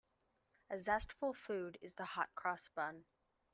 A zestful food is the hot-cross bun.